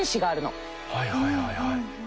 はいはいはいはい。